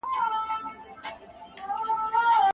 تاسي ولي دونه بې غرضه او بې فکره او غلي او حیران ناست سواست؟